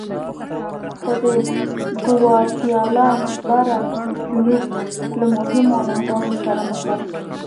خو د ګواتیلا برعکس جنوب له مهمو ننګونو سره مخ و.